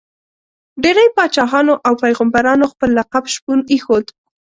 ډېری پاچاهانو او پيغمبرانو خپل لقب شپون ایښود.